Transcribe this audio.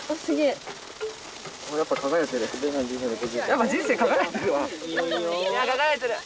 やっぱ人生かがやいてるわ。